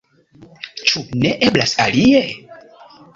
Ĉu ne eblas alie?